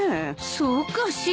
そうかしら。